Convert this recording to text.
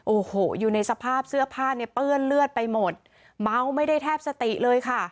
โอ้โหอยู่ในสภาพเสื้อผ้าเนี่ยเปื้อนเลือดไปหมดเมาไม่ได้แทบสติเลยค่ะ